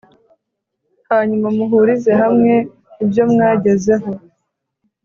hanyuma muhurize hamwe ibyo mwagezeho.